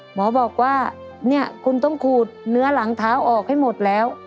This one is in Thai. หมอบอกว่าเนี่ยคุณต้องขูดเนื้อหลังเท้าออกให้หมดแล้ว